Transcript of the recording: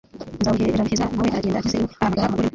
nzabuheraheza nawe aragenda ageze iwe ahamagara umugore we